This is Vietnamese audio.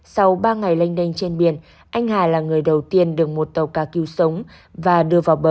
sau ba ngày lênh đênh trên biển anh hà là người đầu tiên được một tàu cá cứu sống và đưa vào bờ